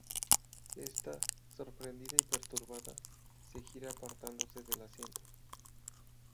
Esta, sorprendida y perturbada, se gira apartándose del asiento.